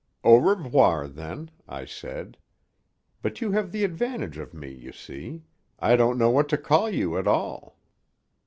_) "Au revoir, then," I said; "but you have the advantage of me, you see. I don't know what to call you at all."